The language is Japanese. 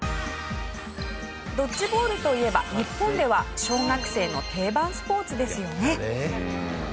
ドッジボールといえば日本では小学生の定番スポーツですよね。